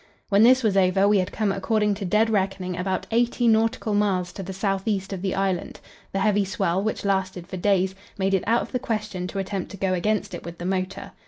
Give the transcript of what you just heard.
When this was over, we had come according to dead reckoning about eighty nautical miles to the south east of the island; the heavy swell, which lasted for days, made it out of the question to attempt to go against it with the motor.